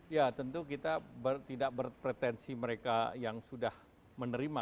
ya tentu kita tidak berpretensi mereka yang sudah menerima